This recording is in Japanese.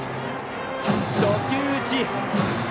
初球打ち。